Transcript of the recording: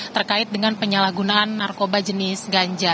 terkait dengan penyalahgunaan narkoba jenis ganja